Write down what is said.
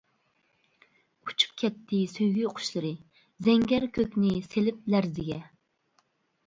ئۇچۇپ كەتتى سۆيگۈ قۇشلىرى، زەڭگەر كۆكنى سېلىپ لەرزىگە.